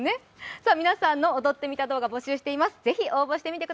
皆さんの踊ってみた動画募集しています。